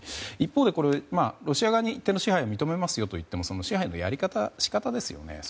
一方、ロシア側に一定の支配を認めますよというその支配のやり方仕方ですよね。